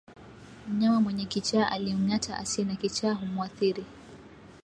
Mnyama mwenye kichaa akimngata asiye na kichaa humuathiri